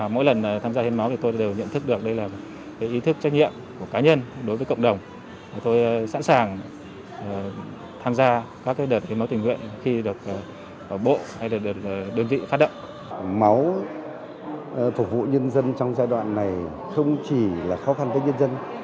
máu phục vụ nhân dân trong giai đoạn này không chỉ là khó khăn với nhân dân